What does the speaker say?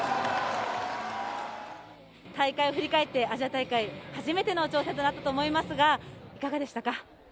大会を振り返ってアジア大会初めての挑戦となったと思いますが、いかがですか？